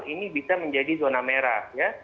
ini bisa menjadi zona merah ya